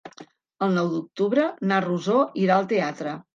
El nou d'octubre na Rosó irà al teatre.